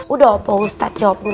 udah opa ustadz jawab duluan